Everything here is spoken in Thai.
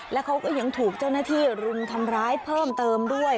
แล้วเขาก็ยังถูกเจ้าหน้าที่รุมทำร้ายเพิ่มเติมด้วย